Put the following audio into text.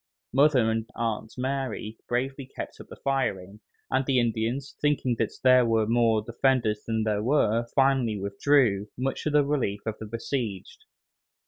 Mother and Aunt Mary bravely kept up the firing, and the Indians, thinking that there were more defenders than there were, finally withdrew, much to the relief of the besieged.